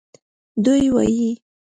دوی وایي